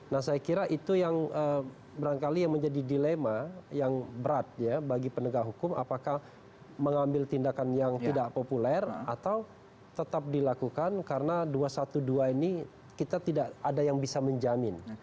nah saya kira itu yang berangkali yang menjadi dilema yang berat ya bagi penegak hukum apakah mengambil tindakan yang tidak populer atau tetap dilakukan karena dua ratus dua belas ini kita tidak ada yang bisa menjamin